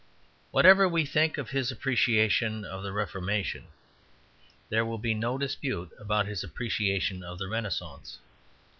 Whatever we think of his appreciation of the Reformation, there will be no dispute about his appreciation of the Renascence.